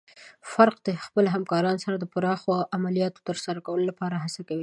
فرقه د خپلو همکارانو سره د پراخو عملیاتو ترسره کولو لپاره هڅه کوي.